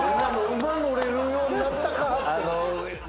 馬乗れるようになったか！